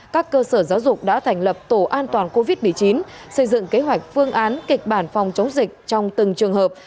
các cơ sở giáo dục đã thành lập tổ an toàn covid một mươi chín xây dựng kế hoạch phương án kịch bản phòng chống dịch trong từng trường hợp